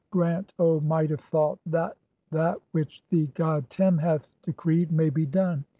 (6) Grant, O might of Thoth, that that which the "god Tem hath decreed [may be done]